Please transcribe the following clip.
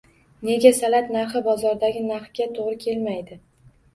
Nega salat narxi bozordagi narxlarga toʻgʻri kelmaydi?